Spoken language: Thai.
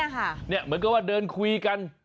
เหมือนกับว่าเดินคุยกัน